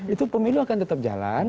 itu pemilu akan tetap jalan